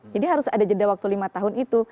harus ada jeda waktu lima tahun itu